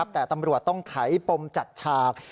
แต่ตำรวจต้องไขปมจัดฉาก